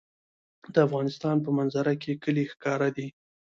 د افغانستان په منظره کې کلي ښکاره ده.